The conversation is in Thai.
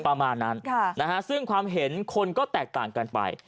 ประมาณนั้นซึ่งความเห็นคนก็แตกต่างกันไป